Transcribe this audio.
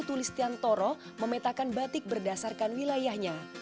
komunitas batik jawa timur lintu tulis tiantoro memetakan batik berdasarkan wilayahnya